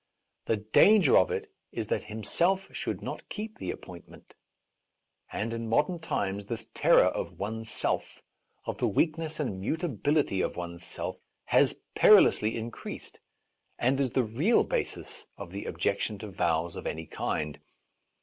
The danger of it is that himself should not keep the appointment. And in modern times this terror of one's self, of the weakness and mutability of one's self, has perilously increased, and is the real basis of the objection to vows of any kind.